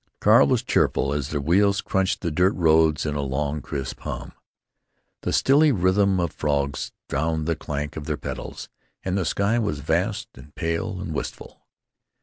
Carl was cheerful as their wheels crunched the dirt roads in a long, crisp hum. The stilly rhythm of frogs drowned the clank of their pedals, and the sky was vast and pale and wistful.